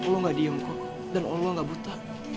lo gak diem kok dan allah gak buta